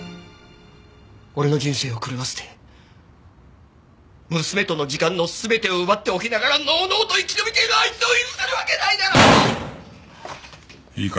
俺の人生を狂わせて娘との時間の全てを奪っておきながらのうのうと生き延びているあいつを許せるわけないだろう！いいか？